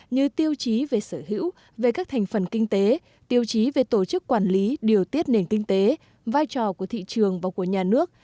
như tiêu chí về sở hữu về các thành phần kinh tế tiêu chí về tổ chức quản lý điều tiết nền kinh tế vai trò của thị trường và của nhà nước